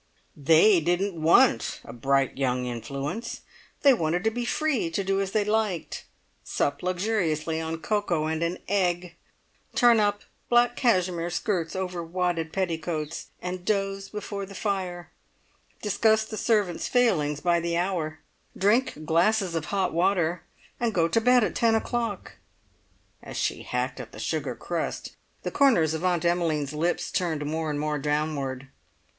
They didn't want "a bright young influence!" They wanted to be free to do as they liked sup luxuriously on cocoa and an egg, turn up black cashmere skirts over wadded petticoats, and doze before the fire, discuss the servants' failings by the hour, drink glasses of hot water, and go to bed at ten o'clock. As she hacked at the sugar crust, the corners of Aunt Emmeline's lips turned more and more downward.